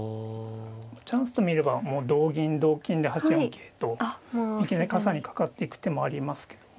チャンスと見ればもう同銀同金で８四桂といきなりかさにかかっていく手もありますけども。